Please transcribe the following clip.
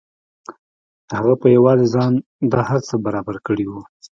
هغه په یوازې ځان دا هر څه برابر کړي وو